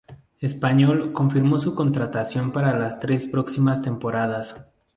Español confirmó su contratación para las tres próximas temporadas.